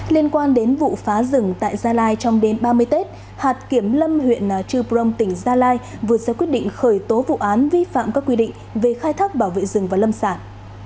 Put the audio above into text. liên quan đến vụ phá rừng tại gia lai trong đến ba mươi tết hạt kiểm lâm huyện trư prong tỉnh gia lai vừa ra quyết định khởi tố vụ án vi phạm các quy định về khai thác bảo vệ rừng và lâm sản